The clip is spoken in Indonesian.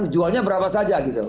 jualnya berapa saja gitu